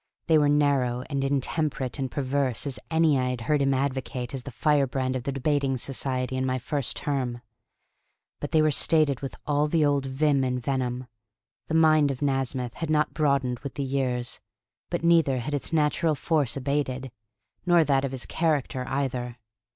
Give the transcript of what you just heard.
They were narrow and intemperate and perverse as any I had heard him advocate as the firebrand of the Debating Society in my first term. But they were stated with all the old vim and venom. The mind of Nasmyth had not broadened with the years, but neither had its natural force abated, nor that of his character either.